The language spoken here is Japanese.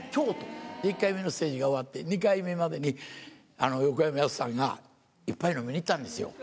１回目のステージが終わって、２回目までに、横山やすしさんが、一杯飲みに行ったんですよ。